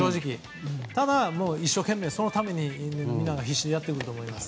ただ、一生懸命そのために必死にやっていると思います。